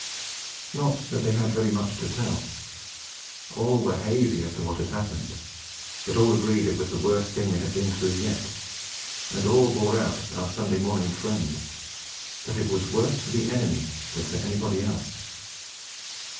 Not that they had very much to tell; all were hazy as to what had happened; but all agreed it was the worst thing they had been through yet, and all bore out our Sunday morning friend, that it was worse for the enemy than for anybody else.